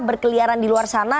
berkeliaran di luar sana